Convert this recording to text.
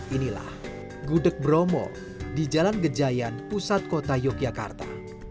inilah gudeg bromo di jalan gejayan pusat kota yogyakarta